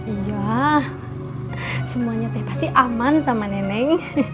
iya semuanya teh pasti aman sama nenek